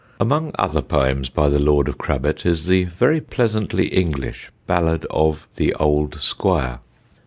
Among other poems by the lord of Crabbet is the very pleasantly English ballad of THE OLD SQUIRE.